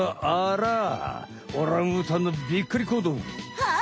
はい！